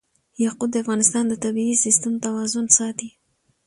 یاقوت د افغانستان د طبعي سیسټم توازن ساتي.